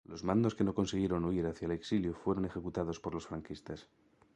Los mandos que no consiguieron huir hacia el exilio fueron ejecutados por los franquistas.